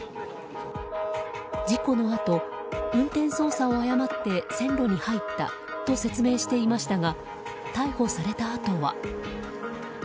事故のあと、運転操作を誤って線路に入ったと説明していましたが逮捕されたあとは。